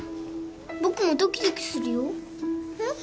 僕もドキドキするよ。えっ？